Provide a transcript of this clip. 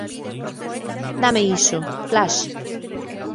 Dáme iso, Flash.